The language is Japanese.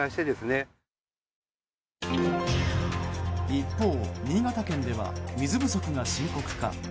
一方、新潟県では水不足が深刻化。